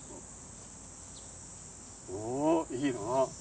おおいいな。